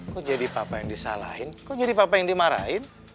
kok jadi papa yang disalahin kok jadi papa yang dimarahin